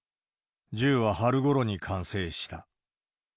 銃は春ごろに完成した。